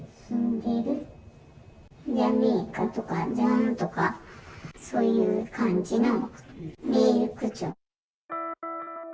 じゃねぇかとか、じゃんとか、そういう感じのメール口調。